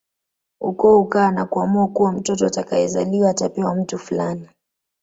Ukoo hukaa na kuamua kuwa mtoto atakayezaliwa atapewa mtu fulani